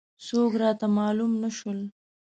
څوک را معلوم نه شول.